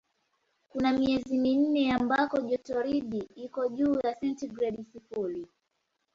Kuna miezi minne ambako jotoridi iko juu ya sentigredi sifuri.